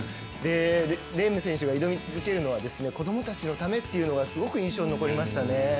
レーム選手が挑み続けるのは子どもたちのためというのがすごく印象に残りました。